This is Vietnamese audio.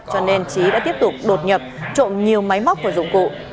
cho nên trí đã tiếp tục đột nhập trộm nhiều máy móc và dụng cụ